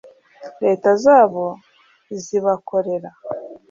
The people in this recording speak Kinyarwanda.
leta zabo zibakorera